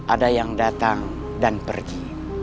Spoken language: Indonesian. ada yang datang dan pergi